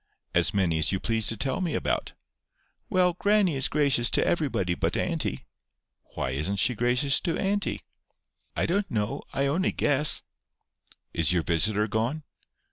"As many as you please to tell me about." "Well, grannie is gracious to everybody but auntie." "Why isn't she gracious to auntie?" "I don't know. I only guess." "Is your visitor gone?"